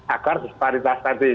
agar disparitas tadi